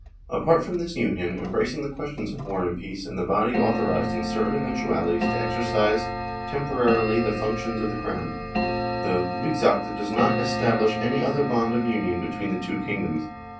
Apart from this union, embracing the question of War and Peace and the body authorised in certain eventualities to exercise temporarily the functions of the Crown, the " Rigsakt " does not establish any other bond of union between tJie tzvo kingdoms.